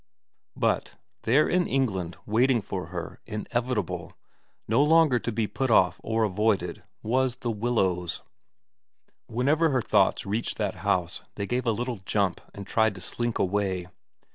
But, there in England waiting for her, inevitable, no longer to be put off or avoided, was The Willows. 160 VERA TIT Whenever her thoughts reached that house they gave a little jump and tried to slink away.